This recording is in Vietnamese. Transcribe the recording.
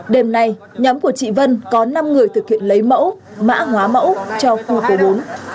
đêm nay nhóm của chị vân có năm người thực hiện lấy mẫu mã hóa mẫu cho khu bốn